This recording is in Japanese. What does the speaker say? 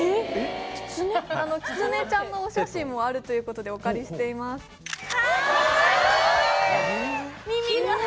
あのキツネちゃんのお写真もあるということでお借りしてますあっ！